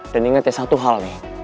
dan inget ya satu hal nih